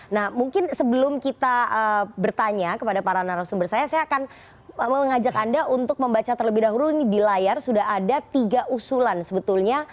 nah mungkin sebelum kita bertanya kepada para narasumber saya saya akan mengajak anda untuk membaca terlebih dahulu ini di layar sudah ada tiga usulan sebetulnya